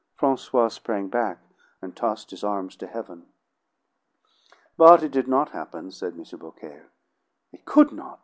Francois sprang back, and tossed his arms to heaven. "But it did not happen," said M. Beaucaire. "It could not!"